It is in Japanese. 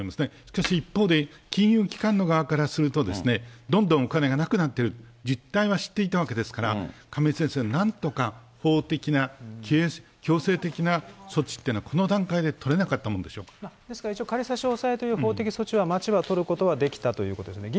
しかし、一方で、金融機関の側からすると、どんどんお金がなくなってるという実態は知っていたわけですから、亀井先生、なんとか法的な強制的な措置っていうのは、この段階で取れなかっですから、一応、仮差し押さえという法的措置は、町は取ることはできたということですね。